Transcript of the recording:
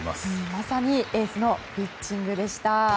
まさにエースのピッチングでした。